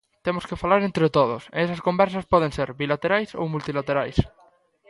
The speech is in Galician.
Temos que falar entre todos, e esas conversas poden ser bilaterais ou multilaterais.